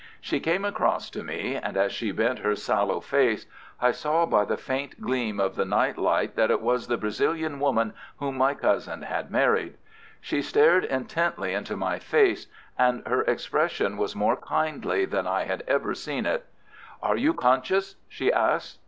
She came across to me, and as she bent her sallow face I saw by the faint gleam of the night light that it was the Brazilian woman whom my cousin had married. She stared intently into my face, and her expression was more kindly than I had ever seen it. "Are you conscious?" she asked.